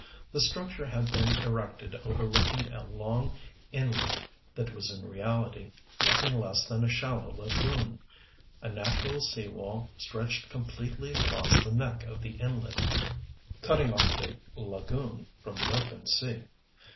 The structure had been erected overlooking a long inlet that was in reality nothing less than a shallow lagoon. A natural sea wall stretched completely across the neck of the inlet, cutting off the lagoon from the open sea.